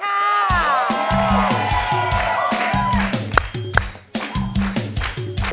สวัสดีครับ